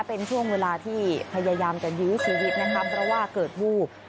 เป็นช่วงเวลาที่พยายามจะยื้อชีวิตนะคะเพราะว่าเกิดวูบ